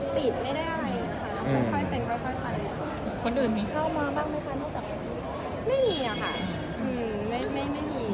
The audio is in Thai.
คนอื่นมีเข้ามาบ้างไหมคะไม่มีอะคะช่วงนี้มีแต่มีงานและก็งาน